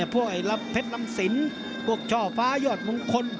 พวกเพชรลำสินพวกช่อฟ้ายอดมงคล